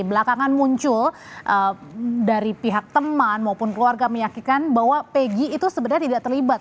belakangan muncul dari pihak teman maupun keluarga meyakinkan bahwa pegi itu sebenarnya tidak terlibat